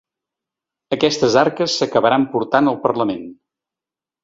Aquestes arques s’acabaran portant al parlament.